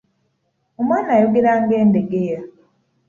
Omwana ayogera nga Endegeya.